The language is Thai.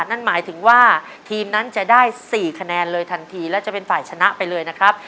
นั่นหมายถึงว่าทีมนั้นจะได้๔คะแนนเลยทันทีและจะเป็นฝ่ายชนะไปเลยนะครับ